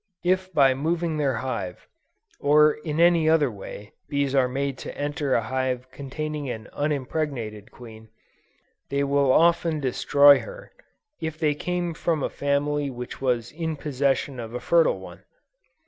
If by moving their hive, or in any other way, bees are made to enter a hive containing an unimpregnated queen, they will often destroy her, if they came from a family which was in possession of a fertile one!